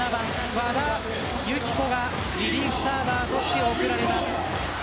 和田由紀子がリリーフサーバーとして送られます。